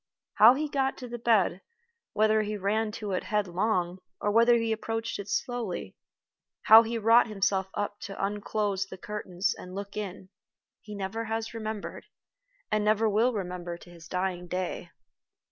How he got to the bed whether he ran to it headlong, or whether he approached it slowly; how he wrought himself up to unclose the curtains and look in, he never has remembered, and never will remember to his dying day.